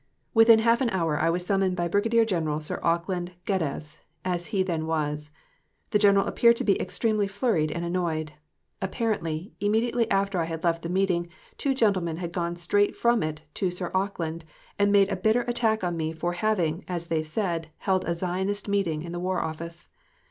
Within half an hour I was summoned by Brigadier General Sir Auckland Geddes, as he then was. The General appeared to be extremely flurried and annoyed. Apparently, immediately after I had left the meeting, two gentlemen had gone straight from it to Sir Auckland, and made a bitter attack on me for having, as they said, held a Zionist Meeting in the War Office.